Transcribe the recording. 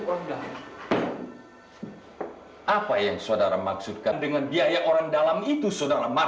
oh nggak athe leo saudara maksud ambilan biaya orang dalam itu saudara mama